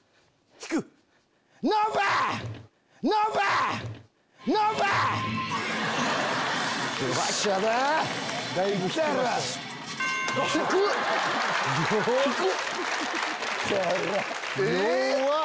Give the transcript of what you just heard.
低っ！